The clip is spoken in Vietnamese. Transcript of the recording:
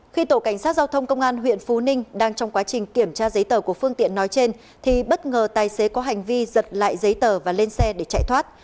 khi tổ cảnh sát giao thông công an huyện phú ninh đang trong quá trình kiểm tra giấy tờ của phương tiện nói trên thì bất ngờ tài xế có hành vi giật lại giấy tờ và lên xe để chạy thoát